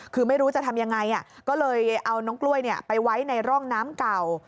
คือไม่รู้จะทำยังไงก็เลยเอาน้องกล้วยไปไว้ในร่องน้ำเก่า